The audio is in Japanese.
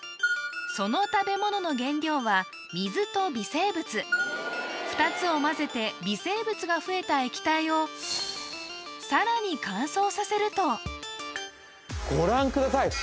その食べ物の原料は水と微生物２つを混ぜて微生物が増えた液体をさらに乾燥させるとご覧ください